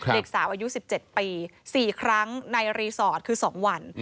เด็กสาวอายุ๑๗ปี๔ครั้งในรีสอร์ทคือ๒วัน